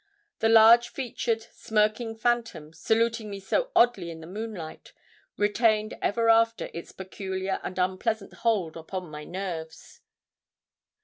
The large featured, smirking phantom, saluting me so oddly in the moonlight, retained ever after its peculiar and unpleasant hold upon my nerves.